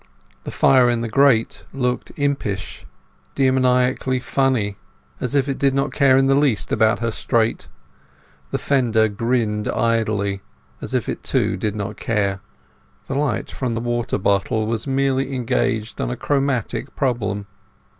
The fire in the grate looked impish—demoniacally funny, as if it did not care in the least about her strait. The fender grinned idly, as if it too did not care. The light from the water bottle was merely engaged in a chromatic problem.